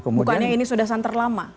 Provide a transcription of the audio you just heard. bukannya ini sudah santer lama